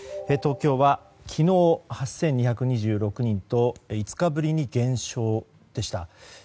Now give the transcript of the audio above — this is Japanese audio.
東京は昨日、８２２６人と５日ぶりに減少でした。